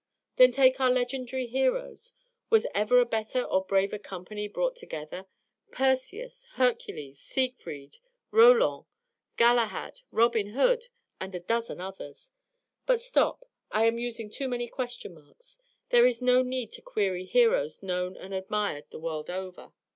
Then take our legendary heroes: was ever a better or braver company brought together Perseus, Hercules, Siegfried, Roland, Galahad, Robin Hood, and a dozen others? But stop, I am using too many question marks. There is no need to query heroes known and admired the world over.